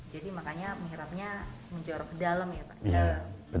jadi makanya mihrabnya muncul di mana